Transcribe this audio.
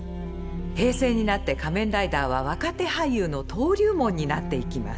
平成になって「仮面ライダー」は若手俳優の登竜門になっていきます。